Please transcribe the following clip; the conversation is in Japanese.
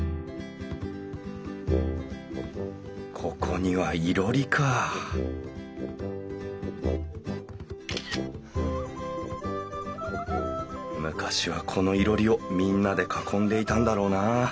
ここにはいろりか昔はこのいろりをみんなで囲んでいたんだろうな。